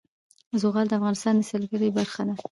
زغال د افغانستان د سیلګرۍ برخه ده.